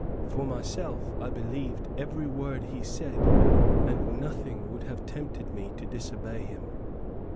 For myself I believed every word he said, and nothing would have tempted me to disobey him.